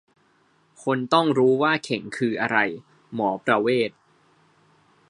"คนต้องรู้ว่าเข่งคืออะไร : หมอประเวศ"